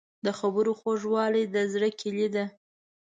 د خبرو خوږوالی د زړه کیلي ده.